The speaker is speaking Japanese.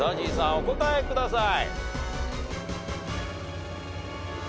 お答えください。